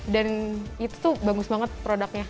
dan itu tuh bagus banget produknya